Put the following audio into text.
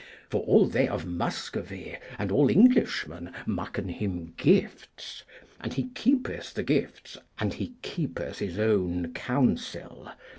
For all they of Muscovy, and all Englishmen maken him gifts, and he keepeth the gifts, and he keepeth his own counsel.